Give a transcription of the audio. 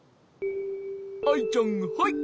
アイちゃんはい！